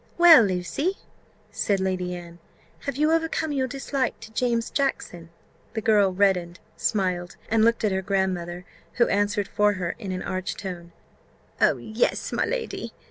"Well, Lucy," said Lady Anne, "have you overcome your dislike to James Jackson?" The girl reddened, smiled, and looked at her grand mother, who answered for her in an arch tone, "Oh, yes, my lady!